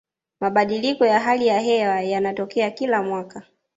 mabadiliko ya hali ya hewa yanatokea kila mwaka